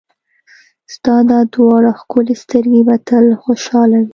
ستا دا دواړه ښکلې سترګې به تل خوشحاله وي.